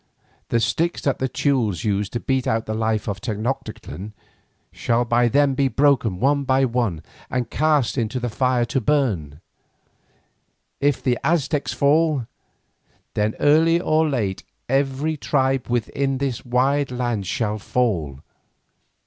The sticks that the Teules use to beat out the life of Tenoctitlan shall by them be broken one by one and cast into the fire to burn. If the Aztecs fall, then early or late every tribe within this wide land shall fall.